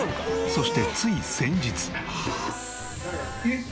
そしてつい先日。